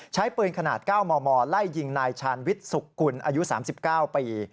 ใช้ปืนขนาด๙มมไล่ยิงนายชาญวิทย์สุขกุลอายุ๓๙ปี